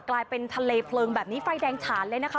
กลายเป็นทะเลเพลิงแบบนี้ไฟแดงฉานเลยนะคะ